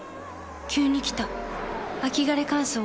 急に来た秋枯れ乾燥。